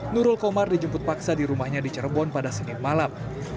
nurul komar dijemput paksa di rumahnya di cirebon pada senin malam